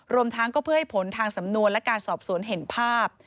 รวมทั้งก็เพื่อให้ผลทางสำนวนและการสอบสวนเห็นภาพ